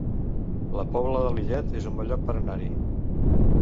La Pobla de Lillet es un bon lloc per anar-hi